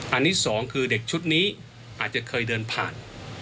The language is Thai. อันนี้สองคือเด็กชุดนี้อาจจะเคยเดินผ่าน